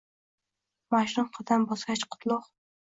Majnun qadam bosgach, qutlugʼ